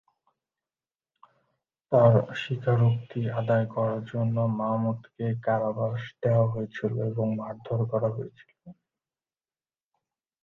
তাঁর স্বীকারোক্তি আদায়ের করার জন্য মাহমুদকে কারাবাস দেয়া হয়েছিল এবং মারধর করা হয়েছিল।